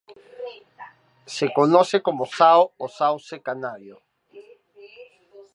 Se conoce como "sao o sauce canario".